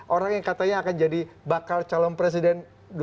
orang yang katanya akan jadi bakal calon presiden dua ribu sembilan belas